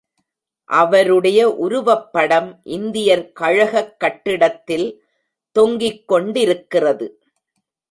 அவருடைய உருவப்படம் இந்தியர் கழகக் கட்டிடத்தில் தொங்கிக் கொண்டிருக்கிறது.